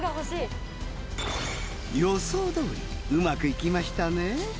予想どおりうまく行きましたね。